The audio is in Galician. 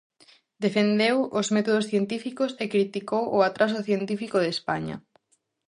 Defendeu os métodos científicos e criticou o atraso científico de España.